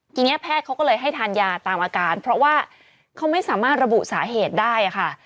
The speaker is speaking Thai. ทีนี้แพทย์เขาก็เลยให้ทานยาตามอาการเพราะว่าเขาไม่สามารถระบุสาเหตุได้ค่ะ